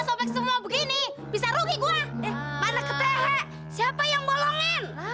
sampai jumpa di video selanjutnya